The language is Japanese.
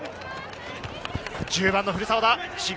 １０番・古澤だ。